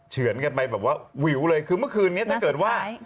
เฉือนกันไปแบบว่าวิวเลยคือเมื่อคืนนี้ถ้าเกิดว่า